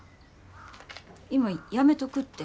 今やめとくって。